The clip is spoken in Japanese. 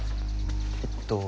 えっと。